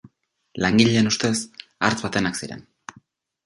Langileen ustez, hartz batenak ziren.